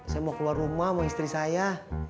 saya mau keluar rumah sama istri saya